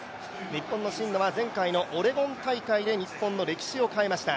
日本の真野は前回のオレゴン大会で日本の歴史を変えました。